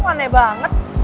kok aneh banget